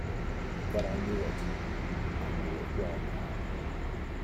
But I knew it, I knew it well now.